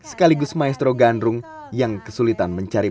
sekaligus maestro gandrung yang kesulitan mencari